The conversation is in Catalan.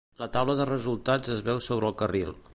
La taula de resultats es veu sobre el carril.